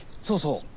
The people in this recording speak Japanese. そうそう。